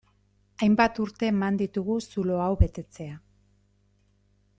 Hainbat urte eman ditugu zulo hau betetzea.